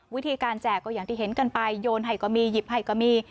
วิธีการแจกก็อย่างที่เห็นกันไปโยนให้ก็มีหยิบให้ก็มี